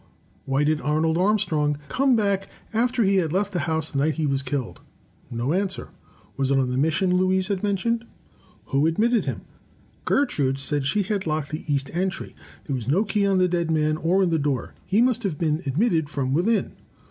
Why did Arnold Armstrong come back after he had left the house the night he was killed? No answer. Was it on the mission Louise had mentioned? Who admitted him? Gertrude said she had locked the east entry. There was no key on the dead man or in the door. He must have been admitted from within.